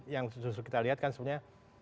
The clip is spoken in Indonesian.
yang justru kita lihat kan sebenarnya